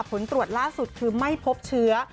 ผลตรวจล่าสุดคือไม่พบเชื้อ